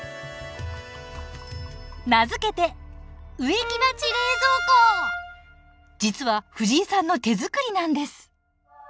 名付けて実はフジイさんの手作りなんです。